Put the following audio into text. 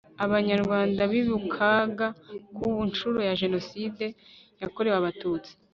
Abanyarwanda bibukaga ku nshuro ya Jenoside yakorewe Abatutsi